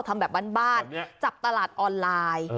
นี่คือเทคนิคการขาย